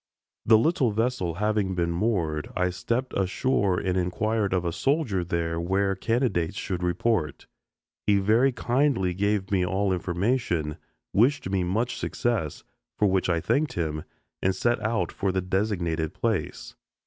The little vessel having been moored, I stepped ashore and inquired of a soldier there where candidates should report. He very kindly gave me all information, wished me much success, for which I thanked him, and set out for the designated place.